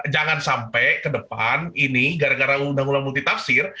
jangan sampai ke depan ini gara gara undang undang multitafsir